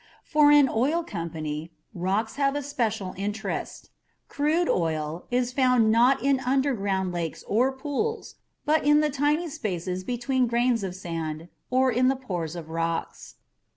For an oil company, rocks have a special interest. Crude oil is found not in underground lakes or pools but in the tiny spaces between grains of sand or in the pores of rocks.